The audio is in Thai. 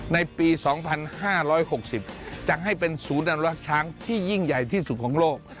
ในปี๒๕๖๐จะให้เป็นศูนย์อนุรักษ์ช้างที่ยิ่งใหญ่ที่สุดของโลก